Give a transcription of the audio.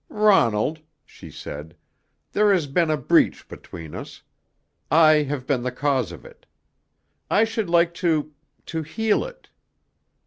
"Ronald," she said, "there has been a breach between us. I have been the cause of it. I should like to to heal it.